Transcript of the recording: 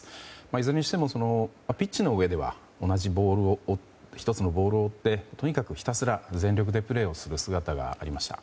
いずれにしてもピッチの上では１つのボールを追ってとにかくひたすら全力でプレーする姿がありました。